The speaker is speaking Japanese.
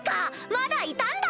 まだいたんだ！